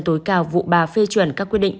tối cao vụ ba phê chuẩn các quyết định